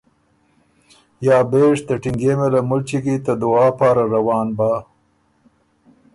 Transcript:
یا بېژ ته ټینګيې مېله مُلچی کی ته دعا پاره روان بۀ